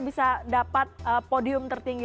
bisa dapat podium tertinggi